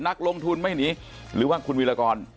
นักลงทุนไม่หนีหรือว่าคุณวิรากร